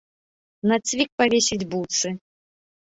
На цвік павесіць буцы.